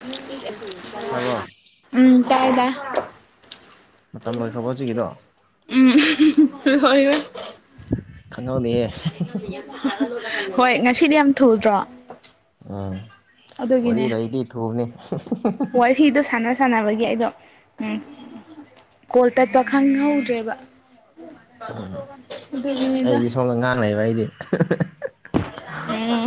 ꯎꯝ ꯇꯥꯔꯕꯔ ꯇꯥꯏꯌꯦ ꯇꯥꯏꯌꯦ ꯃꯇꯝ ꯂꯣꯏꯈ꯭ꯔꯕꯣ ꯍꯧꯖꯤꯛꯀꯤꯗꯣ ꯑꯝ [unintelligible] ꯍꯣꯏ ꯍꯣꯏ ꯈꯉꯅꯧꯅꯦ ꯍꯣꯏ ꯉꯁꯤꯗꯤ ꯌꯥꯝ ꯊꯨꯗ꯭ꯔꯣ ꯑꯗꯨꯒꯤꯅꯦ ꯋꯥꯔꯤ ꯂꯩꯗꯤ ꯊꯨꯕꯅꯤ ꯋꯥꯔꯤꯗꯣ ꯁꯥꯟꯅ ꯁꯥꯟꯅꯕꯒꯤ ꯑꯩꯗꯣ ꯎꯝ ꯀꯣꯜ ꯇꯠꯄ ꯈꯪꯍꯧꯗ꯭ꯔꯦꯕ ꯎꯝ ꯑꯗꯨꯒꯤꯅꯤꯗ ꯑꯩꯗꯤ ꯁꯣꯝꯗ ꯉꯥꯡꯅꯩꯕ ꯑꯩꯗꯤ ꯎꯝ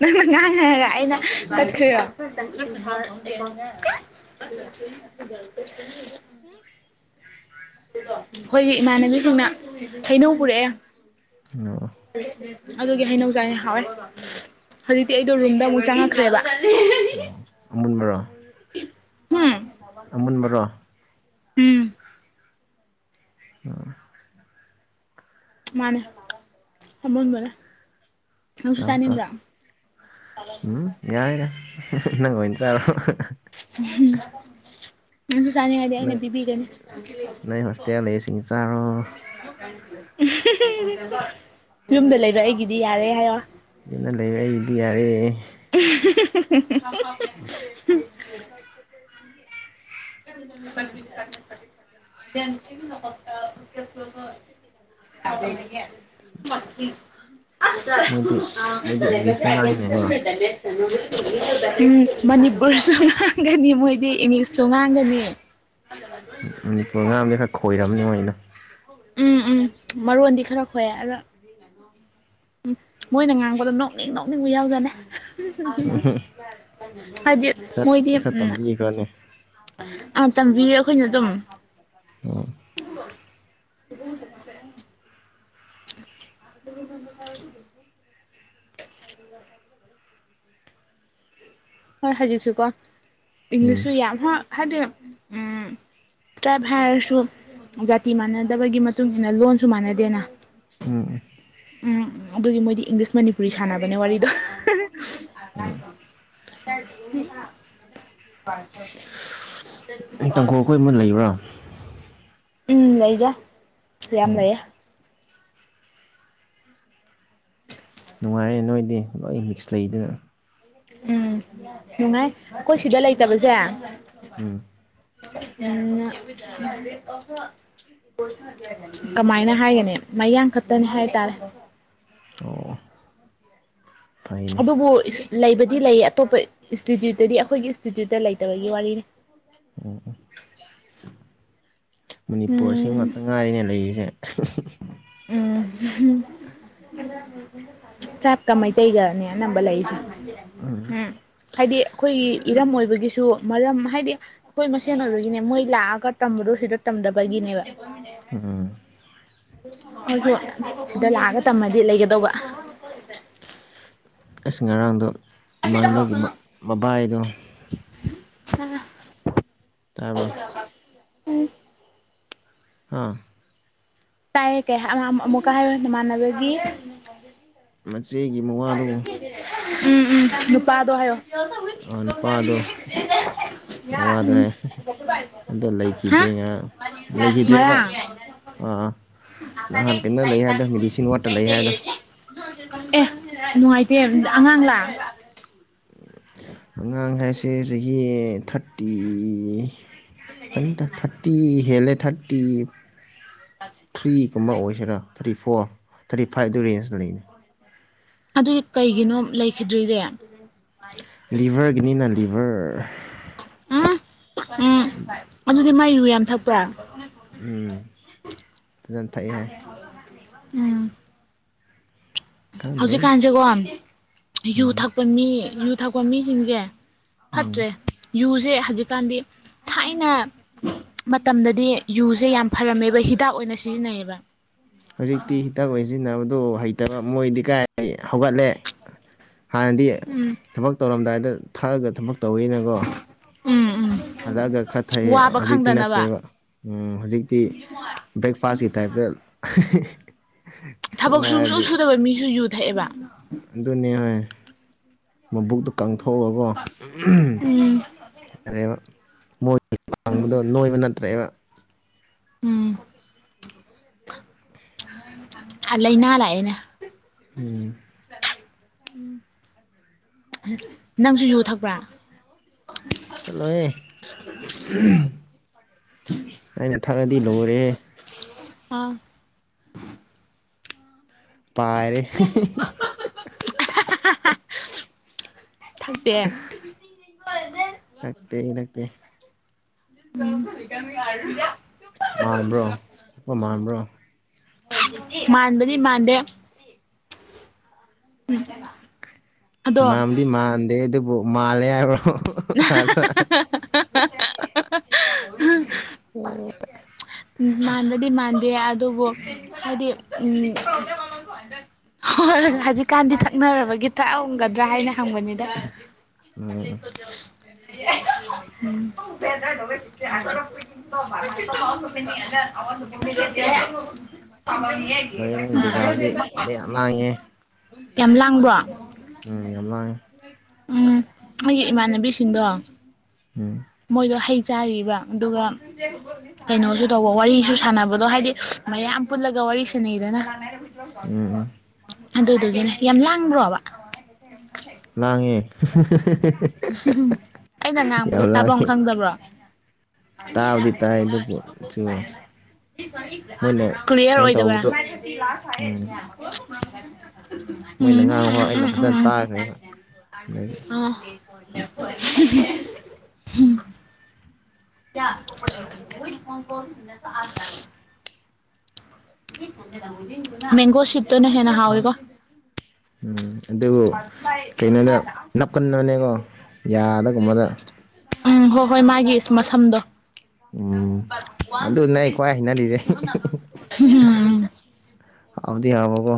ꯅꯪꯅ ꯉꯥꯏꯉꯔ ꯑꯩꯅ ꯆꯠꯈ꯭ꯔꯣ [unintelligible] ꯑꯩꯈꯣꯏꯒꯤ ꯏꯃꯥꯟꯅꯕꯤꯁꯤꯡꯅ ꯍꯩꯅꯧ ꯄꯨꯔꯛꯑꯦ ꯑꯣ ꯑꯗꯨꯒꯤ ꯍꯩꯅꯧ ꯆꯥꯅꯤ ꯍꯥꯎꯋꯦ ꯍꯧꯖꯤꯛꯇꯤ ꯑꯩꯗꯣ ꯔꯨꯝꯗ ꯑꯃꯨꯛ ꯆꯪꯉꯛꯈ꯭ꯔꯦꯕ ꯑꯣ ꯑꯃꯨꯟꯕꯔꯣ ꯎꯝ ꯑꯃꯨꯟꯕꯔꯣ ꯎꯝ ꯑꯣ ꯃꯥꯅꯦ ꯑꯃꯨꯟꯕꯅꯦ ꯅꯪꯁꯨ ꯆꯥꯎ ꯆꯥꯎ ꯆꯥꯅꯤꯡꯕ꯭ꯔꯥ ꯑꯝ ꯌꯥꯔꯦ ꯌꯥꯔꯦ ꯅꯪ ꯑꯣꯏꯅ ꯆꯥꯔꯣ ꯎ ꯅꯪꯁꯨ ꯆꯥꯅꯤꯡꯉꯥꯏꯗꯤ ꯑꯩꯅ ꯅꯣꯏ ꯄꯤꯕꯤꯒꯅꯤ ꯅꯣꯏ ꯍꯣꯁꯇꯦꯜ ꯂꯩꯕꯁꯤꯡ ꯆꯥꯔꯣ ꯌꯨꯝꯗ ꯂꯩꯕ ꯑꯩꯒꯤꯗꯤ ꯌꯥꯔꯦ ꯍꯥꯏꯔꯣ ꯑꯗꯨꯅ ꯂꯩꯔ ꯏꯗꯤ ꯌꯥꯔꯦ [unintelligible] [unintelligible] [inaudible] [unintelligible] ꯎꯝ ꯃꯣꯏꯗꯤ ꯃꯣꯏꯗꯤ ꯏꯪꯂꯤꯁꯇ ꯉꯥꯡꯉꯤꯅꯦꯀꯣ ꯃꯅꯤꯄꯨꯔꯁꯨ ꯉꯥꯡꯒꯅꯤ ꯃꯣꯏꯗꯤ ꯏꯪꯂꯤꯁ ꯁ ꯉꯥꯡꯒꯅꯤ ꯃꯅꯤꯄꯨꯔ ꯑ ꯉꯥꯝꯁ ꯈꯔ ꯈꯣꯏꯔꯝꯅꯤ ꯃꯣꯏꯩꯅ ꯎꯝ ꯎꯝ ꯃꯔꯣꯟꯗꯤ ꯈꯔ ꯈꯣꯏꯑꯦ ꯑꯗ ꯎꯝ ꯃꯣꯏꯅ ꯉꯥꯡꯕꯗꯣ ꯅꯣꯛꯅꯤꯡ ꯅꯣꯛꯅꯤꯡꯕꯨ ꯌꯥꯎꯗꯅꯦ ꯎꯝ ꯍꯥꯏꯗꯤ ꯃꯣꯏꯗꯤ ꯎꯝ ꯑ ꯇꯝꯕꯤꯔ ꯑꯩꯈꯣꯏꯅ ꯑꯗꯨꯝ ꯑꯥ ꯏꯗꯅ ꯆꯃꯔꯦ [unintelligible] ꯑ ꯑꯗꯨꯒ ꯍꯣꯏ ꯍꯧꯖꯤꯛꯁꯨꯀꯣ ꯎꯝ ꯏꯪꯂꯤꯁꯁꯨ ꯌꯥꯝ ꯍꯥꯏꯗꯤ ꯎꯝ ꯇ꯭ꯔꯥꯏꯞ ꯍꯥꯏꯔꯁꯨ ꯖꯥꯇꯤ ꯃꯥꯟꯅꯗꯕꯒꯤ ꯃꯇꯨꯡ ꯃꯇꯨꯡꯏꯟꯅ ꯂꯣꯟꯁꯨ ꯃꯥꯟꯅꯗꯦꯅ ꯎꯝ ꯎꯝ ꯎꯝ ꯑꯗꯨꯒꯤ ꯃꯣꯏꯗꯤ ꯏꯪꯂꯤꯁ ꯃꯅꯤꯄꯨꯔꯤ ꯁꯥꯟꯅꯕꯅꯦ ꯋꯥꯔꯤꯗꯣ [inaudible] ꯇꯪꯈꯨꯜ ꯑꯩꯈꯣꯏ ꯑꯃ ꯂꯩꯕ꯭ꯔꯥ ꯎꯝ ꯂꯩꯒꯔꯦ ꯌꯥꯝ ꯑꯣ ꯂꯩꯌꯦꯦ ꯅꯨꯡꯉꯥꯏꯔꯔꯦ ꯅꯣꯏꯗꯤ ꯂꯣꯏ ꯃꯤꯛꯁ ꯂꯩꯗꯅ ꯎꯝ ꯅꯨꯡꯉꯥꯏ ꯑꯩꯈꯣꯏ ꯁꯤꯗ ꯂꯩꯇꯕꯁꯦ ꯎꯝ [unintelligible] ꯀꯃꯥꯏꯅ ꯍꯥꯏꯒꯅꯤ ꯃꯌꯥꯡ ꯈꯛꯇꯅꯤ ꯍꯥꯏꯇꯥꯔꯦ ꯑꯣ ꯐꯩꯅꯦ ꯑꯗꯨꯕꯨ ꯂꯩꯕꯗꯤ ꯂꯩꯌꯦ ꯑꯇꯣꯞꯄ ꯏꯟꯁꯇꯤꯇ꯭ꯌꯨꯠꯇꯗꯤ ꯑꯩꯈꯣꯏꯒꯤ ꯏꯟꯁꯇꯤꯇ꯭ꯌꯨꯠꯇ ꯂꯩꯇꯕꯒꯤ ꯋꯥꯔꯤꯅꯤ ꯎꯝ ꯃꯅꯤꯄꯨꯔ ꯑꯁꯤ ꯎꯝ ꯉꯥꯛꯇ ꯉꯥꯏꯔꯤꯅꯦ ꯂꯩꯔꯤꯁꯦ ꯆꯥꯞꯀ ꯃꯩꯇꯩꯒꯅꯦ ꯑꯅꯝꯕ ꯂꯩꯔꯤꯁꯦ ꯎꯝ ꯍꯥꯏꯗꯤ ꯑꯩꯈꯣꯏꯒꯤ ꯏꯔꯝ ꯑꯣꯏꯕꯒꯤꯁꯨ ꯃꯔꯝ ꯍꯥꯏꯗꯤ ꯑꯩꯈꯣꯏ ꯃꯁꯦꯟ ꯑꯣꯏꯕꯒꯤꯅꯦ ꯃꯣꯏ ꯂꯥꯛꯑꯒ ꯇꯝꯕꯗꯣ ꯁꯤꯗ ꯇꯝꯗꯕꯒꯤꯅꯦꯕ ꯍꯣ ꯁꯤꯗ ꯂꯥꯛꯑꯒ ꯇꯝꯃꯗꯤ ꯂꯩꯒꯗꯧꯕ ꯑꯩꯁ ꯉꯔꯥꯡꯗꯣ ꯏꯃꯥꯟꯅꯕꯒꯤ ꯃꯕꯥꯏꯗꯣ ꯑ ꯇꯥꯔꯕ ꯎꯝ ꯑꯥ ꯇꯥꯏ ꯀꯩ ꯍꯥꯏ ꯑꯃꯨꯛꯀ ꯍꯥꯏꯌ ꯅꯃꯥꯟꯅꯕꯒꯤ ꯆꯦꯒꯤ ꯃꯋꯥꯗꯣ ꯎꯝ ꯎꯝ ꯅꯨꯄꯥꯗꯣ ꯍꯥꯏꯌꯣ ꯅꯨꯄꯥꯗꯣ ꯃꯋꯥꯗꯣ ꯍꯥꯏ ꯑꯗꯣ ꯂꯩꯈꯤꯗ꯭ꯔꯦ ꯉꯔꯥꯡ [unintelligible] ꯂꯩꯈꯤꯗ꯭ꯔꯦꯕ ꯉꯔꯥꯡ ꯑꯥ ꯅꯍꯥꯟ ꯀꯩꯅꯣ ꯂꯩ ꯍꯥꯏꯗ ꯃꯦꯗꯤꯁꯤꯟ ꯋꯥꯠꯇ ꯂꯩ ꯍꯥꯏꯗ ꯅꯨꯡꯉꯥꯏꯇꯦ ꯑꯉꯥꯡꯂꯥ ꯑꯉꯥꯡ ꯍꯥꯏꯁꯦ ꯆꯍꯤ ꯊꯥꯔꯇꯤ ꯀ ꯊꯥꯔꯇꯤ ꯍꯦꯂꯦ ꯊꯥꯔꯇꯤ ꯊ꯭ꯔꯤꯒ ꯑꯃ ꯑꯣꯏꯁꯤꯔꯥ ꯊꯥꯔꯇꯤ ꯐꯣꯔ ꯊꯥꯔꯇꯤ ꯐꯥꯏꯚꯗꯨ ꯔꯦꯟꯖ ꯂꯩꯅꯦ ꯑꯗꯨꯗꯤ ꯀꯩꯒꯤꯅꯣ ꯂꯩꯈꯤꯗ꯭ꯔꯤꯗꯤ ꯂꯤꯚꯔꯒꯤꯅꯤꯅ ꯂꯤꯚꯔ ꯎꯝ ꯎꯝ ꯑꯗꯨꯗꯤ ꯃꯥꯏ ꯌꯨ ꯌꯥꯝ ꯊꯛꯄ꯭ꯔꯥ ꯎꯝ ꯐꯖꯅ ꯊꯛꯑꯦ ꯍꯥꯏ ꯎꯝ ꯈꯪꯗ꯭ꯔꯦꯗ ꯍꯧꯖꯤꯛꯀꯥꯟꯁꯦꯀꯣ ꯌꯨ ꯊꯛꯄ ꯃꯤ ꯌꯨ ꯊꯛꯄ ꯃꯤꯁꯤꯡꯁꯦ ꯎꯝ ꯐꯠꯇ꯭ꯔꯦ ꯌꯨꯁꯦ ꯍꯧꯖꯤꯛꯀꯥꯟꯗꯤ ꯊꯥꯏꯅ ꯃꯇꯝꯗꯗꯤ ꯌꯨꯁꯦ ꯌꯥꯝ ꯐꯔꯝꯃꯦꯕ ꯍꯤꯗꯥꯛ ꯑꯣꯏꯅ ꯁꯤ ꯅꯩꯕ ꯍꯧꯖꯤꯛꯇꯤ ꯍꯤꯇꯥꯛ ꯑꯣꯏꯅ ꯁꯤꯖꯤꯟꯅꯕꯗꯣ ꯍꯩꯇꯕ ꯃꯣꯏꯗꯤ ꯀꯥꯏ ꯍꯧꯒꯠꯂꯦ ꯍꯥꯟꯅꯗꯤ ꯎꯝ ꯊꯕꯛ ꯇꯧꯔꯝꯗꯥꯏꯗ ꯊꯛꯂꯥꯒ ꯊꯕꯛ ꯇꯧꯏꯅꯀꯣ ꯎꯝ ꯎꯝ ꯍꯜꯂꯛꯑꯒ ꯈꯔ ꯊꯛꯩꯑꯌꯦ ꯋꯥꯕ ꯍꯧꯖꯤꯛꯇꯤ ꯈꯪꯗꯅꯕ ꯅꯠꯇ꯭ꯔꯦꯕ ꯍꯧꯖꯤꯛꯇꯤ ꯕ꯭ꯔꯦꯛꯐꯥꯁꯒꯤ ꯇꯥꯏꯞꯗ ꯊꯕꯛ ꯁꯨꯡꯁꯨ ꯁꯨꯗꯕ ꯃꯤꯁꯨ ꯌꯨ ꯊꯛꯑꯦꯕ ꯑꯗꯨꯅꯦ ꯍꯣꯏ ꯃꯕꯨꯛꯇꯣ ꯀꯪꯊꯣꯛ ꯊꯣꯛꯔꯒꯣ ꯎꯝ ꯌꯥꯔꯦꯕ ꯃꯣꯏ ꯍꯥꯡꯕꯗꯣ ꯅꯣꯏꯕ ꯅꯠꯇ꯭ꯔꯦꯕ ꯎꯝ ꯂꯩꯥꯅꯥ ꯂꯥꯛꯑꯦꯅꯦ ꯎꯝ ꯅꯪꯁꯨ ꯌꯨ ꯊꯛꯄ꯭ꯔꯥ ꯆꯠꯂꯣ ꯍꯦ ꯑꯩꯅ ꯊꯛꯑꯥꯗꯤ ꯂꯣꯏꯔꯦ ꯑꯥ ꯄꯥꯏꯔꯦ ꯊꯛꯇꯦ ꯅꯛꯇꯦ ꯅꯛꯇꯦ ꯌꯥꯔ ꯃꯥꯟꯕ꯭ꯔꯣ ꯆꯠꯄ ꯃꯥꯟꯕ꯭ꯔꯣ ꯃꯥꯟꯕꯗꯤ ꯃꯥꯟꯗꯦ ꯎꯝ ꯃꯝꯗꯤ ꯃꯥꯟꯗꯦ ꯑꯗꯨꯕꯨ ꯃꯥꯜꯂꯦ ꯍꯥꯏꯕ꯭ꯔꯣ ꯑ ꯃꯥꯟꯅꯗꯤ ꯃꯥꯟ ꯗꯤ ꯑꯗꯨꯕꯨ ꯍꯥꯏꯗꯤ ꯍꯣꯏ ꯍꯧꯖꯤꯛꯀꯥꯟꯗꯤ ꯊꯛꯅꯔꯕꯒꯤ ꯊ ꯒꯗ꯭ꯔꯥ ꯍꯥꯏꯅ ꯍꯪꯕꯅꯤꯗ [unintelligible] [unintelligible] ꯂꯣꯏꯔꯦ ꯅꯪꯒꯤ ꯕꯦꯛꯒ꯭ꯔꯥꯎꯟꯗꯤ ꯌꯥꯝ ꯂꯥꯡꯉꯦ [unintelligible] ꯌꯥꯝ ꯂꯥꯡꯕ꯭ꯔꯣ ꯎꯝ ꯌꯂꯥꯡ ꯎꯝ ꯅꯣꯏꯒꯤ ꯏꯃꯥꯟꯅꯕꯤꯁꯤꯡꯗꯣ ꯎꯝ ꯃꯣꯏꯗꯣ ꯍꯩ ꯆꯥꯔꯤꯕ ꯑꯗꯨꯒ ꯀꯩꯅꯣꯁꯨ ꯇꯧꯕ ꯋꯥꯔꯤꯁꯨ ꯁꯥꯟꯅꯕꯗꯣ ꯍꯥꯏꯗꯤ ꯃꯌꯥꯝꯄ ꯄꯨꯜꯒ ꯋꯥꯔꯤꯁꯥꯅꯩꯗꯅ ꯎꯝ ꯎꯝ ꯑꯗꯨꯗꯨꯒꯤꯅꯦ ꯌꯥꯝ ꯂꯥꯡꯕ꯭ꯔꯣꯕ ꯎ ꯑꯩꯅ ꯉꯥꯡꯕꯗꯣ ꯇꯥꯐꯝ ꯂꯥꯡꯉꯦ ꯈꯪꯗꯕ꯭ꯔꯣ ꯇꯥꯕꯗꯤ ꯇꯥꯏ ꯑꯗꯨꯕꯨ ꯁꯨ ꯃꯣꯏꯅ [unintelligible] ꯀ꯭ꯂꯤꯌꯥꯔ ꯀꯩꯅꯣ ꯑꯣꯏꯗꯕ꯭ꯔꯥ ꯇꯧꯕꯗꯣ ꯎꯝ ꯃꯣꯏꯅ ꯎꯝ ꯉꯥꯡꯕꯣ ꯎꯝ ꯑꯩꯅ ꯎꯝ ꯎꯝ ꯎꯝ ꯐꯖꯅ ꯇꯥꯈ꯭ꯔꯦꯕ ꯑꯗꯒꯤ ꯎꯝ ꯑꯊ ꯃꯦꯒꯣ ꯁꯤꯠꯇꯅ ꯍꯦꯅ ꯍꯥꯎꯋꯦꯒꯣ ꯎꯝ ꯑꯗꯨꯕꯨ ꯀꯩꯅꯣꯗ ꯅꯞꯀꯟꯕꯅꯦꯀꯣ ꯌꯥꯗꯒꯨꯝꯕꯗ ꯎꯝ ꯍꯣꯏ ꯍꯣꯏ ꯃꯥꯒꯤ ꯃꯁꯝꯗꯣ ꯎꯝ ꯑꯗꯨꯅꯦ ꯑꯩ ꯈ꯭ꯋꯥꯏ ꯍꯩꯅꯔꯤꯁꯦ [unintelligible] ꯑꯥꯎꯗꯤ ꯑꯕꯕꯣ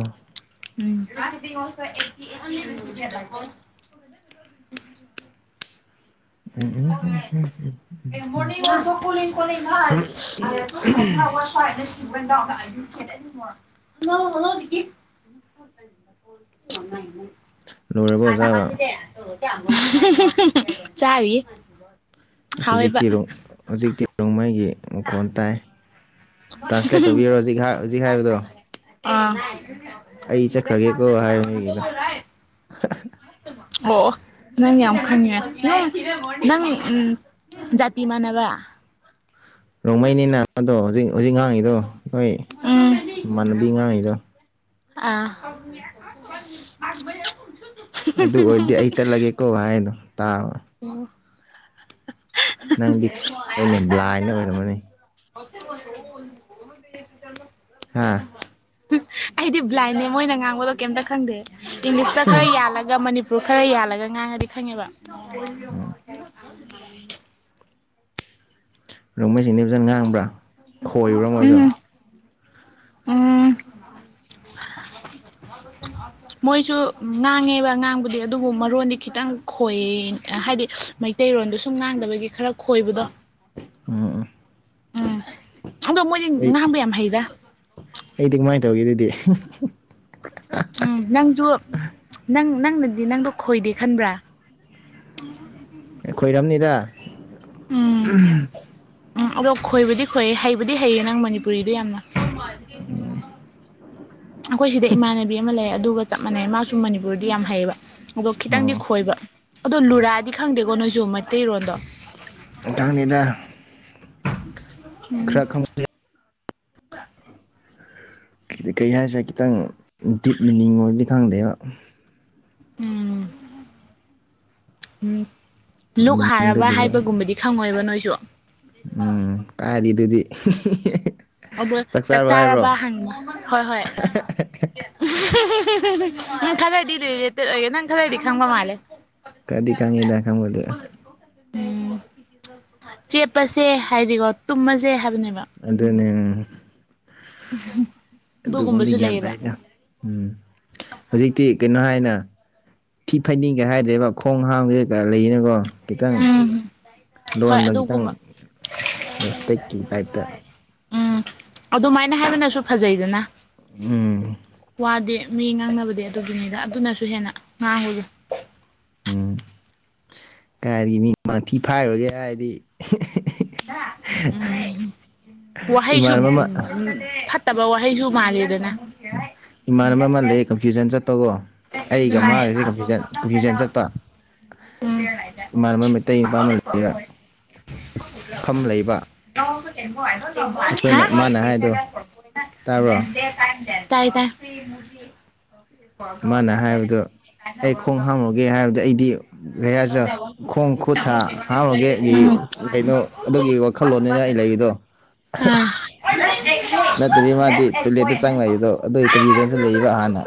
ꯎꯝ [unintelligible] [unintelligible] [unintelligible] [unintelligible] ꯂꯣꯏꯔꯕ ꯑꯣꯖꯥꯕ ꯆꯔꯤꯌꯦ ꯍꯧꯖꯤꯛꯇꯤ ꯍꯧꯖꯤꯛꯇꯤ ꯔꯣꯡꯃꯩꯒꯤ ꯃꯈꯣꯟ ꯇꯥꯏ [inaudible] ꯇ꯭ꯔꯥꯟꯁꯂꯦꯠ ꯇꯧꯕꯤꯔꯣ ꯍꯧꯖꯤꯛ ꯍꯧꯖꯤꯛ ꯍꯥꯏꯕꯗꯣ ꯑꯩ ꯆꯠꯈ꯭ꯔꯒꯦꯀꯣ ꯍꯥꯏꯕꯅꯤꯗꯣ ꯑꯣ ꯅꯪ ꯌꯥꯝ ꯈꯉꯦ ꯅꯪ ꯎ ꯖꯥꯇꯤ ꯃꯥꯟꯅꯕ ꯔꯣꯡꯃꯩꯅꯤꯅ ꯑꯗꯣ ꯍꯧꯖꯤꯛ ꯍꯧꯖꯤꯛ ꯉꯥꯡꯉꯤꯗꯣ ꯅꯣꯏ ꯏꯃꯥꯟꯅꯕꯤ ꯉꯥꯡꯉꯤꯗꯣ ꯑ ꯑꯗꯨ ꯑꯣꯏꯔꯗꯤ ꯑꯩ ꯆꯠꯂꯒꯦꯀꯣ ꯍꯥꯏꯗꯣ ꯇꯥꯎ ꯎꯝ ꯅꯪꯗꯤꯅꯦ ꯕ꯭ꯂꯥꯏꯟ ꯑꯣꯏꯔꯝꯃꯅꯤ ꯍꯥ [unintelligible] ꯑꯩꯗꯤ ꯕ꯭ꯂꯥꯏꯟꯅꯦ ꯃꯣꯏꯅ ꯉꯥꯡꯕꯗꯣ ꯀꯩꯝꯇ ꯈꯪꯗꯦ ꯏꯪꯂꯤꯁꯇ ꯎꯝ ꯈꯔ ꯌꯥꯜꯂꯒ ꯃꯅꯤ ꯈꯔ ꯌꯥꯜꯂꯒ ꯉꯥꯡꯉꯗꯤ ꯈꯪꯉꯦꯕ ꯔꯣꯡꯃꯩꯁꯤꯡꯗꯤ ꯐꯖꯅ ꯉꯥꯡꯕ꯭ꯔꯥ ꯈꯣꯏꯕ꯭ꯔꯥ ꯃꯣꯏꯁꯨ ꯎꯝ ꯎꯝ ꯃꯣꯏꯁꯨ ꯉꯥꯡꯉꯦꯕ ꯉꯥꯡꯕꯗꯤ ꯑꯗꯨꯕꯨ ꯃꯔꯣꯟꯗꯤ ꯈꯤꯇꯪ ꯈꯣꯏ ꯍꯥꯏꯗꯤ ꯃꯩꯇꯩꯔꯣꯟꯗꯣ ꯁꯨꯝ ꯉꯥꯡꯗꯕꯒꯤ ꯈꯔ ꯈꯣꯏꯕꯗꯣ ꯎ ꯑꯗ‌ꯣ ꯃꯣꯏꯗꯤ ꯉꯥꯕ ꯌꯥꯝ ꯍꯩꯗ ꯈ‌ꯣꯏꯗꯨꯗꯤ ꯎꯝ ꯅꯪꯁꯨ ꯅꯪ ꯅꯪꯅꯗꯤ ꯅꯪꯗꯣ ꯈꯣꯏꯗꯦ ꯈꯟꯕ꯭ꯔꯥ ꯈꯣꯏꯔꯝꯅꯤꯗ ꯎꯝ ꯎꯝ ꯑꯗꯣ ꯈꯣꯏꯕꯗꯤ ꯈꯣꯌ‌ꯦ ꯍꯩꯕꯗꯤ ꯍꯩꯌꯦ ꯅꯪ ꯃꯅꯤꯄꯨꯔꯤꯗꯣ ꯌꯥꯝꯅ [unintelligible] ꯑꯩꯈꯣꯏ ꯁꯤꯗ ꯏꯃꯥꯟꯅꯕꯤ ꯑꯃ ꯂꯩꯔ ꯑꯗꯨꯒ ꯆꯞ ꯃꯥꯟꯅꯩ ꯃꯥꯁꯨ ꯃꯅꯤꯄꯨꯔꯗꯤ ꯌꯥꯝ ꯍꯩꯌꯦꯕ ꯑꯗꯣ ꯈꯤꯇꯪꯗꯤ ꯑꯣ ꯈꯣꯏꯕ ꯑꯗꯣ ꯂꯨꯔꯥꯗꯤ ꯈꯪꯗꯦꯀꯣ ꯅꯣꯏꯁꯨ ꯃꯩꯇꯩꯔꯣꯟꯗꯣ ꯥꯡꯅꯤꯗ ꯎꯝ [inaudible] ꯀꯩ ꯍꯥꯏꯁꯦ ꯈꯤꯇꯪ ꯗꯤꯞ ꯃꯤꯅꯤꯡ ꯑꯣꯏꯗꯤ ꯈꯪꯗꯦꯕ ꯎꯝ ꯎꯝ ꯂꯨꯛ ꯃꯤꯡꯗꯣ ꯍꯥꯔꯕ ꯂꯨꯔꯒ ꯍꯥꯏꯕꯒꯨꯝꯕꯗꯤ ꯈꯪꯉꯣꯏꯕ ꯅꯣꯏꯁꯨ ꯎꯝ ꯀꯥꯏꯔꯤꯗꯨꯗꯤ ꯑꯗ‌ꯣꯏ ꯆꯥꯛ ꯆꯥꯔꯕ ꯍꯪꯉ ꯍꯣꯏ ꯍꯣꯏ ꯅꯪ ꯈꯖꯥꯏꯗꯤ ꯅꯪ ꯈꯔꯗꯤ ꯈꯪꯕ ꯃꯥꯂꯦ ꯈꯔꯗꯤ ꯈꯪꯉꯤꯗ ꯈꯪꯕꯗꯤ ꯎꯝ ꯆꯦꯞꯄꯁꯦ ꯍꯥꯏꯗꯤꯀꯣ ꯇꯨꯝꯃꯁꯦ ꯍꯥꯏꯕ ꯑꯗꯨꯅꯦ [unintelligible] ꯑꯗꯨꯒꯨꯝꯕꯗꯤ ꯑꯗꯨꯒꯨꯝꯕꯁꯨ ꯒ꯭ꯌꯥꯟ ꯂꯩꯌꯦꯕ ꯇꯥꯏꯗ ꯎꯝ ꯍꯧꯖꯤꯛꯇꯤ ꯀꯩꯅꯣ ꯍꯥꯏꯅ ꯊꯤ ꯐꯩꯅꯤꯉ‌ꯦ ꯍꯥꯏꯗ‌ꯦꯕ ꯈꯣꯡ ꯍꯥꯝꯒꯩ ꯀꯩꯀꯥ ꯂꯩꯅꯀꯣ ꯈꯤꯇꯪ ꯎꯝ ꯍꯣꯏ ꯂꯣꯟꯗ ꯈꯤꯇꯪ ꯑꯗꯨꯒꯨꯝꯕ ꯔꯦꯁꯄꯦꯛꯀꯤ ꯇꯥꯏꯞꯇ ꯎꯝ ꯑꯗꯨꯃꯥꯏꯅ ꯍꯥꯏꯕꯅꯁꯨ ꯐꯖꯩꯗꯅ ꯎꯝ ꯋꯥꯗꯤ ꯃꯤ ꯉꯥꯡꯅꯕꯗꯤ ꯑꯗꯨꯗꯨꯅꯤꯗ ꯑꯗꯨꯅꯁꯨ ꯍꯦꯟꯅ ꯉꯥꯡꯕꯗ ꯎꯝ ꯀꯗꯤ ꯃꯤ ꯃꯥꯊꯤ ꯐꯥꯏꯔꯨꯔꯒꯦ ꯍꯥꯏꯗꯤ ꯎꯝ ꯄꯍꯩꯁꯨ ꯏꯃꯥꯟꯅꯕ ꯐꯠ ꯑꯃ ꯐꯠꯇꯕ ꯋꯥꯍꯩꯁꯨ ꯃꯥꯜꯂꯤꯗꯅ ꯏꯃꯥꯟꯅꯕꯃꯜꯗꯒꯤ ꯀꯟꯐ꯭ꯌꯨꯖꯟ ꯆꯠꯄꯒꯣ ꯑꯩꯒ ꯃꯥꯒꯁꯦ ꯀꯐ꯭ꯌꯨꯟ ꯀꯝꯐ꯭ꯌꯨꯖꯟ ꯆꯠꯄ ꯏꯃꯥꯟꯅꯕ ꯃꯩꯇꯩ ꯅꯨꯄꯥ ꯑꯃ ꯂꯩꯌ‌ꯦꯕ ꯐꯝ ꯂꯩꯕ [unintelligible] ꯍꯥ ꯑꯩꯈꯣꯏꯅ ꯃꯥꯅ ꯍꯥꯏꯗꯣ ꯇꯥꯕ꯭ꯔꯣ [unintelligible] ꯇꯥꯏ ꯍꯥꯏꯕꯗꯨ ꯑꯩ ꯈꯣꯡ ꯍꯥꯥꯡꯂꯨꯒꯦ ꯍꯥꯏꯕꯗꯨ ꯑꯩꯗꯤ ꯀꯩ ꯍꯥꯏꯁꯤꯔ ꯈꯣꯡ ꯈꯨꯠ ꯁꯥ ꯍꯥꯝꯂꯨꯒꯦ ꯑꯩꯒꯤ ꯎꯝ ꯀꯩꯅꯣ ꯑꯗꯨꯒꯤ ꯋꯥꯈꯜꯂꯣꯟꯅꯤꯅ ꯑꯩ ꯂꯩꯌꯤꯗꯣ ꯑꯥ ꯅꯠꯇꯕꯤ ꯃꯥꯗꯤ ꯇꯣꯏꯂꯦꯠꯇ ꯆꯪꯂꯩꯏꯕꯗꯣ ꯑꯗꯨꯒꯤ ꯀꯝ ꯔꯤꯖꯟꯁꯨ ꯂꯩꯕ ꯍꯥꯟꯅ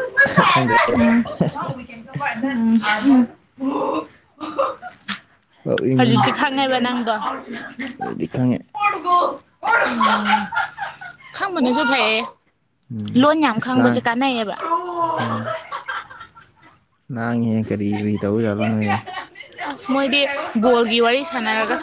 ꯈꯪꯗ [unintelligible] ꯅꯣꯛꯅꯤꯡꯕꯅꯤ ꯍꯧꯖꯤꯛꯇꯤ ꯈꯪꯉꯦꯕ ꯅꯪꯗꯣ ꯑꯩꯗꯤ ꯈꯪꯉꯦ ꯎꯝ ꯈꯪꯕꯅꯁꯨ ꯐꯩꯌꯦ ꯎꯝ ꯂꯣꯟ ꯌꯥꯝ ꯑꯁ ꯂꯥꯡ ꯈꯪꯕꯁꯦ ꯀꯥꯟꯅꯩꯌꯦꯕ ꯅꯪꯉ‌ꯦ ꯀꯔꯤ ꯀꯔꯤ ꯇꯧꯕꯖꯥꯠꯂ‌ꯣ ꯅ‌ꯣꯏꯁ‌ꯦ ꯑꯁ ꯃꯣꯏꯗꯤ ꯕꯣꯜꯒꯤ ꯋꯥꯔꯤ ꯁꯥꯟꯅꯔꯒ